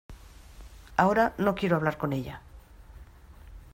ahora no quiero hablar con ella.